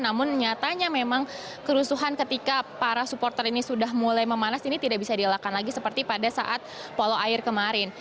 namun nyatanya memang kerusuhan ketika para supporter ini sudah mulai memanas ini tidak bisa dielakkan lagi seperti pada saat polo air kemarin